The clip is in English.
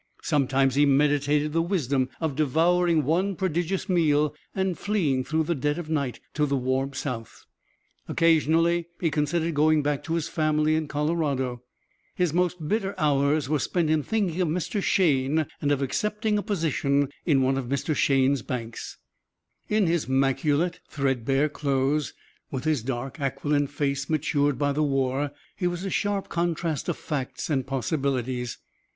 Sometimes he meditated the wisdom of devouring one prodigious meal and fleeing through the dead of night to the warm south. Occasionally he considered going back to his family in Colorado. His most bitter hours were spent in thinking of Mr. Shayne and of accepting a position in one of Mr. Shayne's banks. In his maculate, threadbare clothes, with his dark, aquiline face matured by the war he was a sharp contrast of facts and possibilities.